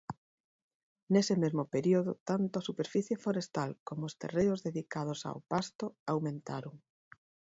Nese mesmo período, tanto a superficie forestal como os terreos dedicados ao pasto aumentaron.